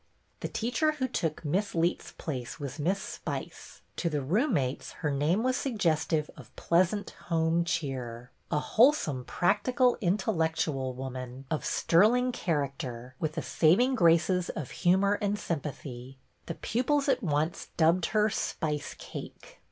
The teacher who took Miss Leet's place was Miss Spice — to the roommates her name was suggestive of pleasant home cheer a wholesome, practical, intellectual woman BETTY BAIRD 1 84 of sterling character, with the saving graces of humor and sympathy. The pupils at once dubbed her " spice cake."